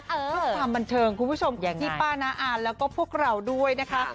เพื่อความบันเทิงคุณผู้ชมที่ป้าน้าอาแล้วก็พวกเราด้วยนะคะ